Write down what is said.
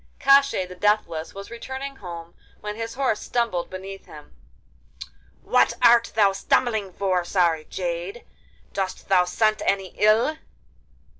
Koshchei the Deathless was returning home when his horse stumbled beneath him. 'What art thou stumbling for, sorry jade? Dost thou scent any ill?